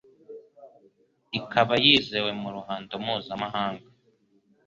ikaba yizewe mu ruhando mpuzamahanga